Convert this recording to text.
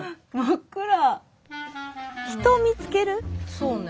そうね。